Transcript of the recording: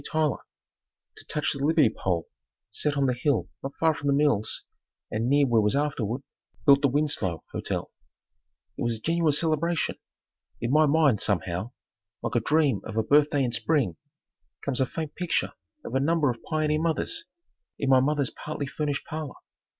Tyler, to touch the Liberty pole set up on the hill not far from the mills and near where was afterward built the Winslow Hotel. It was a genuine celebration. In my mind, somehow, like a dream of a birthday in spring, comes a faint picture of a number of pioneer mothers, in my mother's partly furnished parlor.